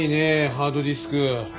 ハードディスク。